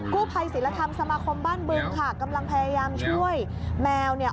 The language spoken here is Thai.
กู้ภัยศิลธรรมสมาคมบ้านบึงค่ะกำลังพยายามช่วยแมวเนี่ย